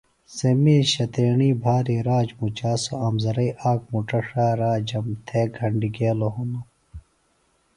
سےۡ میشہ تیݨی بھاری راج مُچا سوۡ امزرئیۡ آک مُٹہ ݜا رمرام تھےۡ گھنڈیۡ گیلوۡ ہِنوۡ